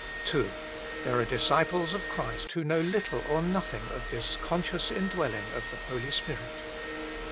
II There are disciples of Christ who know little or nothing of this conscious indwelling of the Holy Spirit.